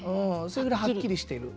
それぐらいはっきりしている。